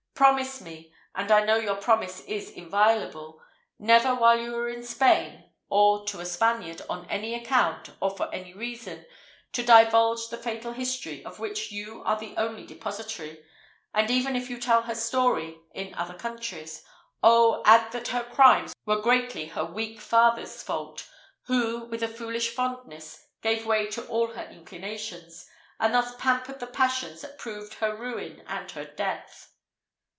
Promise me and I know your promise is inviolable never while you are in Spain, or to a Spaniard, on any account, or for any reason, to divulge the fatal history, of which you are the only depository; and even if you tell her story in other countries, oh! add that her crimes were greatly her weak father's fault, who, with a foolish fondness, gave way to all her inclinations, and thus pampered the passions that proved her ruin and her death."